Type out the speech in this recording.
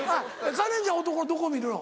カレンちゃん男のどこ見るの？